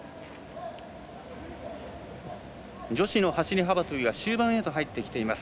女子の走り幅跳びは終盤へ入ってきています。